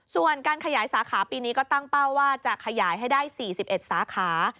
ส่วนการขยายสาขาปีนี้ก็ตั้งเป้าว่าจะขยายให้ได้๔๑สาขา